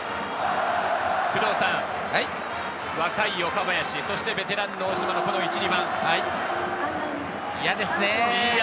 若い岡林、そしてベテラン大島のこの１・２番、嫌ですね。